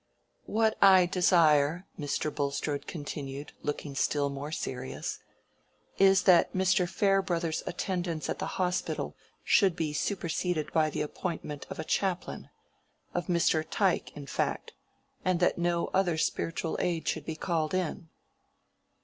"What I desire," Mr. Bulstrode continued, looking still more serious, "is that Mr. Farebrother's attendance at the hospital should be superseded by the appointment of a chaplain—of Mr. Tyke, in fact—and that no other spiritual aid should be called in."